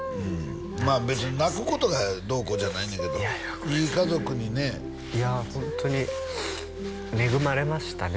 まあ別に泣くことがどうこうじゃないねんけどいやいやごめんなさいいい家族にねいやホントに恵まれましたね